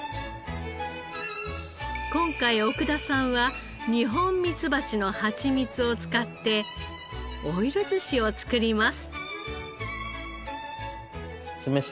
今回奥田さんはニホンミツバチのハチミツを使ってオイル寿しを作ります。